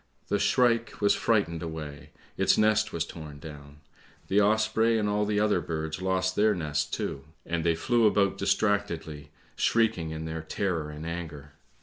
The shrike was frightened away; its nest was torn down; the osprey and all the other birds lost their nests too, and they flew about distractedly, shrieking in their terror and anger.